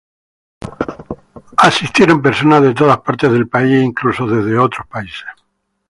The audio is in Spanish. Asistieron personas de todas partes del país e incluso desde otros países.